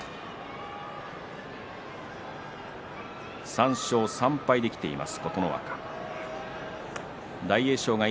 ３勝３敗できています